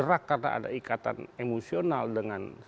ada ikatan emosional dengan